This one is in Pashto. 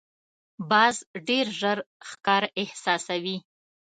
باز ډېر ژر ښکار احساسوي